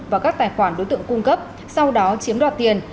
vào các tài khoản đối tượng cung cấp sau đó chiếm đoạt tiền